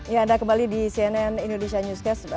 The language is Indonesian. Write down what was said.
ya anda kembali di cnn indonesia newscast